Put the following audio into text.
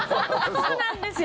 そうなんですよ。